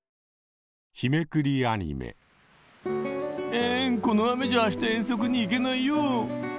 えんこの雨じゃ明日遠足に行けないよ。